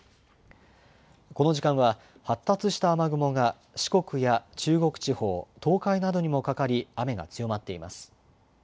この時間は、発達した雨雲が四国や中国地方、東海などにもかかり、雨が強まっています。